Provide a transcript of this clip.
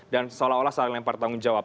dan seolah olah saling lempar tanggung jawab